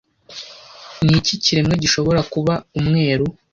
Niki kiremwa gishobora kuba umweru